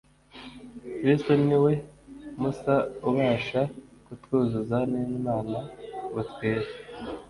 kristo niwe musa ubasha kutwuzuza n'imana ngo twere